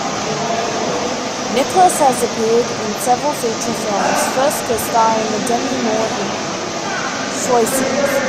Nichols has appeared in several feature films, first co-starring with Demi Moore in Choices.